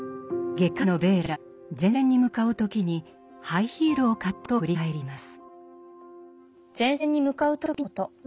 外科医のヴェーラは前線に向かう時にハイヒールを買ったことを振り返ります。